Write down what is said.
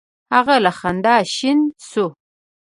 هغه له خندا شین شو: